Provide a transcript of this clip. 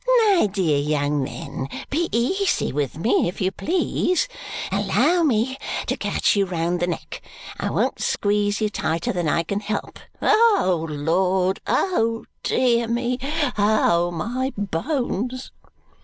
My dear young men, be easy with me, if you please. Allow me to catch you round the neck. I won't squeeze you tighter than I can help. Oh, Lord! Oh, dear me! Oh, my bones!"